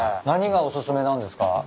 何がお薦めなんですか？